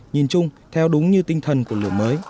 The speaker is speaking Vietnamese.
nhìn chung theo đúng như tinh thần của lửa mới